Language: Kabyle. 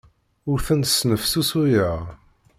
Ur ten-snefsusuyeɣ.